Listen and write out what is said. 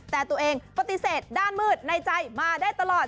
แต่ตัวเองปฏิเสธด้านมืดในใจมาได้ตลอด